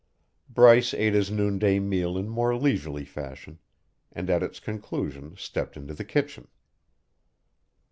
Bryce ate his noonday meal in more leisurely fashion and at its conclusion stepped into the kitchen.